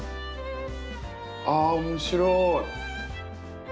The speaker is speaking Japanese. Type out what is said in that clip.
あ面白い。